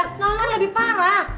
kan lebih parah